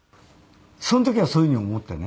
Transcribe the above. その時はそういうふうに思ってね。